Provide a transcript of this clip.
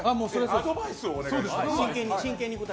アドバイスをお願いします。